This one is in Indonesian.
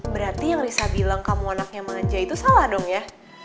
berarti yang risa bilang kamu anaknya manja itu salah dong ya